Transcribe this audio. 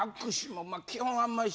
基本はあんまり。